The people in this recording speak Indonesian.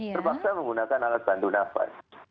terpaksa menggunakan alat bantu nafas